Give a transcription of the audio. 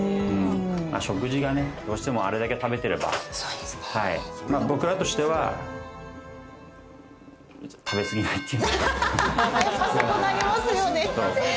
食事がね、どうしてもあれだけ食べてれば、僕らとしては、やっぱそうなりますよね。